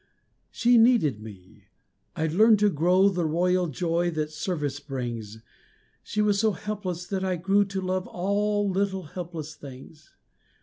She needed me. I learned to know the royal joy that service brings, She was so helpless that I grew to love all little helpless things.